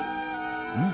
うん。